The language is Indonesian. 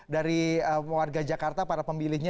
dari warga jakarta para pemilihnya